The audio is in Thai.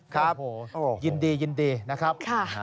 ครับยินดีนะครับ